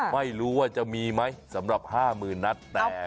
ไม่รู้ว่าจะมีไหมสำหรับ๕หมื่นนัทแต่